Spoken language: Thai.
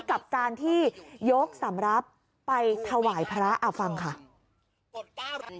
กับการที่ยกสำหรับไปถวายพระเอาฟังค่ะ